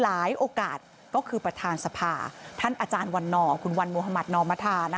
และโอกาสก็คือประธานสภาท่านอาจารย์วันนคุณวันมมนม